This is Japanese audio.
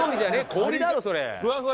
氷だろそれ！